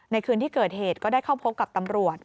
คืนที่เกิดเหตุก็ได้เข้าพบกับตำรวจ